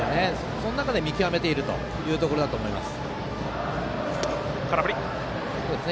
その中で見極めているところだと思います。